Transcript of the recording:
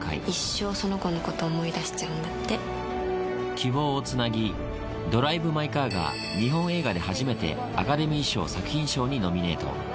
一生その子のことを思い出し希望をつなぎ、ドライブ・マイ・カーが日本映画で初めてアカデミー賞作品賞にノミネート。